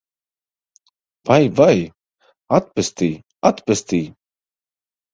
Vai, vai! Atpestī! Atpestī!